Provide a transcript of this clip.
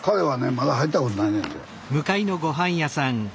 まだ入ったことないねんて。